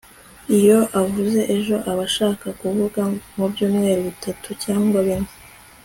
iyo avuze ejo aba ashaka kuvuga mubyumweru bitatu cyangwa bine